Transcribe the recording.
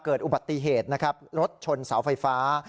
เกิดอุบัติเหตุนะครับรถชนเสาไฟฟ้า